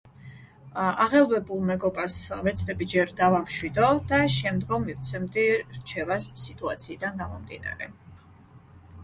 ა... აღელვებულ მეგობარს ვეცდები ჯერ დავამშვიდო და შემდგომ მივცემდი რჩევას სიტუაციიდან გამომდინარე.